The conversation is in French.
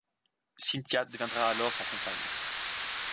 Cynthia deviendra alors sa compagne.